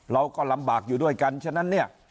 เราก็ลำบากอยู่ด้วยกันฉะนั้นเนี่ย